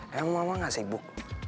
emang mama gak sibuk